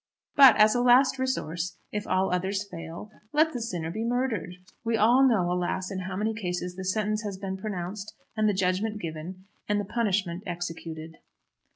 But as a last resource, if all others fail, let the sinner be murdered. We all know, alas! in how many cases the sentence has been pronounced and the judgment given, and the punishment executed.